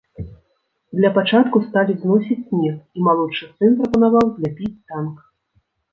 Для пачатку сталі зносіць снег, і малодшы сын прапанаваў зляпіць танк.